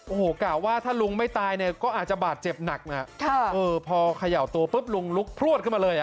โอ้โหกะว่าถ้าลุงไม่ตายเนี่ยก็อาจจะบาดเจ็บหนักนะพอเขย่าตัวปุ๊บลุงลุกพลวดขึ้นมาเลย